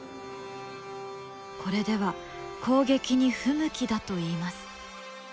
これでは攻撃に不向きだといいます。